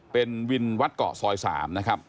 เป็นวินวัดเกาะซอย๓นะครับ